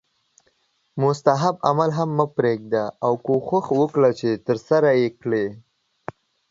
مستحب عمل هم مه پریږده او کوښښ وکړه چې ترسره یې کړې